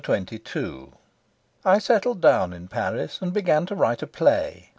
Chapter XXII I settled down in Paris and began to write a play.